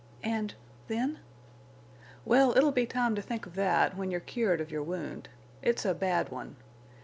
"And—then?" "Well, it'll be time to think of that when you're cured of your wound. It's a bad one.